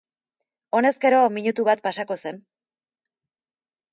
Honezkero, minutu bat pasako zen.